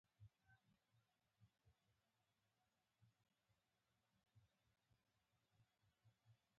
د عینک د مسو کان د لوګر ولایت محمداغې والسوالۍ کې موقیعت لري.